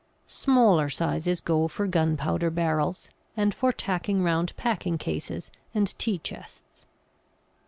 Smaller sizes go for gunpowder barrels, and for tacking round packing cases and tea chests.